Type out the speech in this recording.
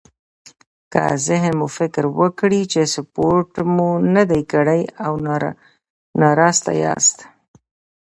که ذهن مو فکر وکړي چې سپورت مو نه دی کړی او ناراسته ياست.